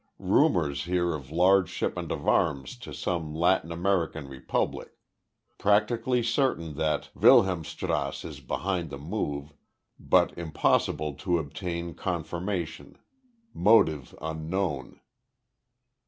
Rumors here of large shipment of arms to some Latin American republic. Practically certain that Wilhelmstrasse is behind the move, but impossible to obtain confirmation. Motive unknown.